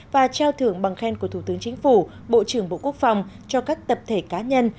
và trao thưởng bằng khen của thủ tướng chính phủ bộ trưởng bộ quốc phòng cho các tập thể cá nhân